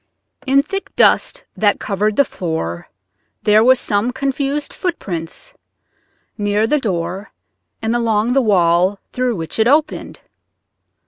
In thick dust that covered the floor were some confused footprints near the door and along the wall through which it opened.